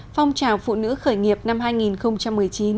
phong trào phụ nữ khởi nghiệp năm hai nghìn một mươi chín